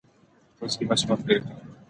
په پوزې مچ مه پرېږده